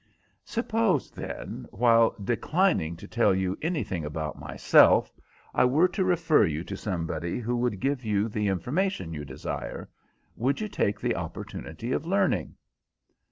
"Suppose, then, while declining to tell you anything about myself I were to refer you to somebody who would give you the information you desire, would you take the opportunity of learning?"